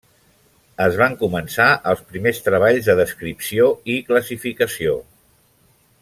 Es van començar els primers treballs de descripció i classificació.